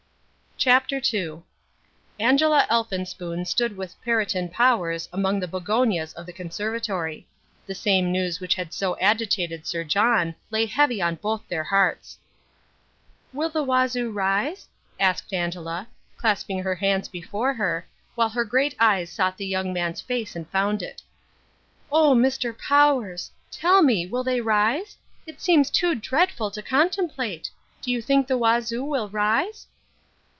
CHAPTER II Angela Elphinspoon stood with Perriton Powers among the begonias of the conservatory. The same news which had so agitated Sir John lay heavy on both their hearts. "Will the Wazoo rise?" asked Angela, clasping her hands before her, while her great eyes sought the young man's face and found it. "Oh, Mr. Powers! Tell me, will they rise? It seems too dreadful to contemplate. Do you think the Wazoo will rise?"